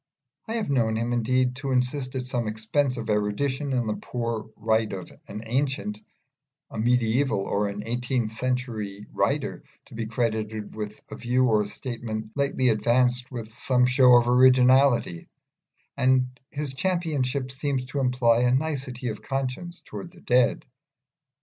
I have known him, indeed, insist at some expense of erudition on the prior right of an ancient, a medieval, or an eighteenth century writer to be credited with a view or statement lately advanced with some show of originality; and this championship seems to imply a nicety of conscience towards the dead.